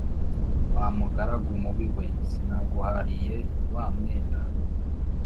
Wa mugaragu mubi we sinaguhariye wa mwenda